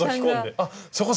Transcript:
あっそこ